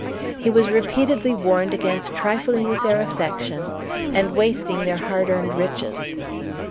He was repeatedly warned against trifling with their affection, and wasting their hard earned riches.